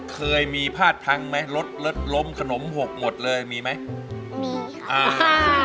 เคยมีพาดพังไหมรถรถล้มขนมหกหมดเลยมีไหมมีอ่า